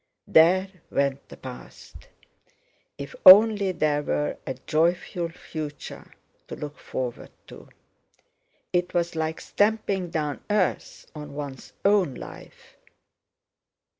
There went the past! If only there were a joyful future to look forward to! It was like stamping down earth on one's own life.